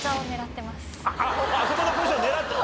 あそこのポジションを狙って。